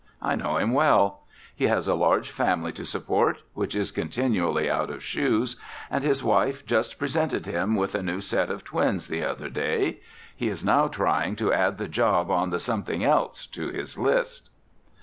I know him well. He has a large family to support (which is continually out of shoes) and his wife just presented him with a new set of twins the other day. He is now trying to add the job on The Something Else to his list.